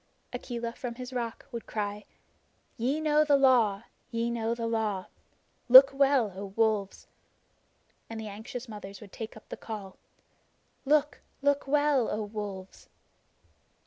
Akela from his rock would cry: "Ye know the Law ye know the Law. Look well, O Wolves!" And the anxious mothers would take up the call: "Look look well, O Wolves!"